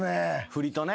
振りとね。